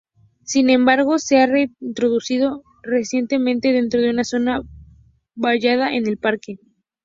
Sin embargo, se ha reintroducido recientemente dentro de una zona vallada en el parque.